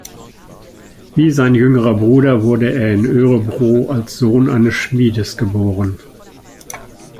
Wie sein jüngerer Bruder wurde er in Örebro als Sohn eines Schmiedes geboren.